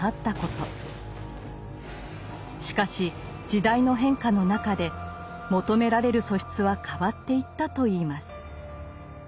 しかし時代の変化の中で求められる素質は変わっていったといいます。